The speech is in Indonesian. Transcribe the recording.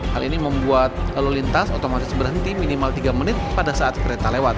hal ini membuat lalu lintas otomatis berhenti minimal tiga menit pada saat kereta lewat